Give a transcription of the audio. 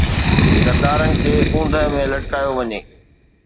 غدارن کي اوندهه ۾ لٽڪايو وڃي